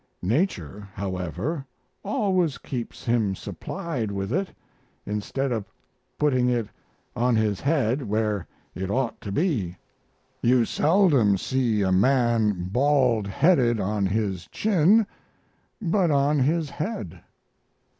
Nature, however, always keeps him supplied with it, instead of putting it on his head, where it ought to be. You seldom see a man bald headed on his chin, but on his head.